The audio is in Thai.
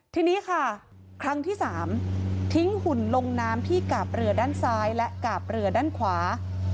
ทีนี้ค่ะครั้งที่๓ทิ้งหุ่นลงน้ำที่กาบเรือด้านซ้ายและกาบเรือด้านขวา